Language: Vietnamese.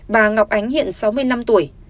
bà ngọc ánh hiện sáu mươi năm tuổi